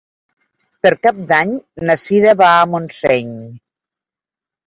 Per Cap d'Any na Cira va a Montseny.